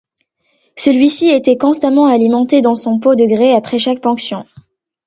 Celui-ci était constamment alimenté dans son pot de grès après chaque ponction.